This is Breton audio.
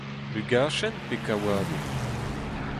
Lugachenn pe kaouadoù ?